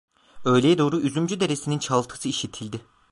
Öğleye doğru Üzümcü Deresi'nin çağıltısı işitildi…